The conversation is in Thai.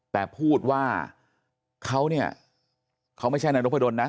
แต่พูดว่าเขาไม่ใช่นานกพยาบาล